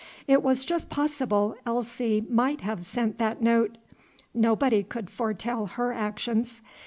It was just possible Elsie might have sent that note. Nobody could foretell her actions.